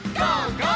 ゴー！」